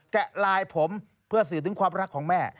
แกะลายผมเพื่อสื่อถึงความรักของแม่